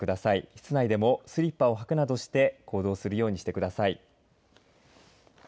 室内でもスリッパを履くなどして行動するようにしてください。